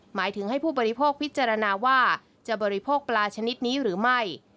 หมายถึงให้ผู้บริโภคพิจารณาว่าจะบริโภคปลาชนิดนี้หรือไม่